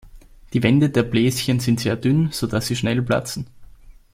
Die Wände der Bläschen sind sehr dünn, so dass sie schnell platzen.